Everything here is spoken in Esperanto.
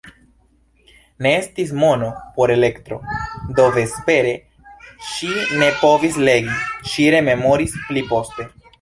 Ne estis mono por elektro, do vespere ŝi ne povis legi, ŝi rememoris pliposte.